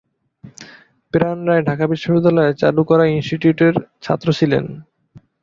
প্রাণ রায় ঢাকা বিশ্ববিদ্যালয়ের চারুকলা ইন্সটিটিউটের ছাত্র ছিলেন।